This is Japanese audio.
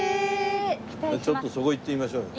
ちょっとそこ行ってみましょう。